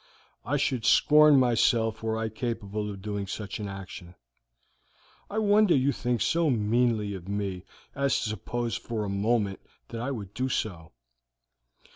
I should scorn myself were I capable of doing such an action. I wonder you think so meanly of me as to suppose for a moment that I would do so."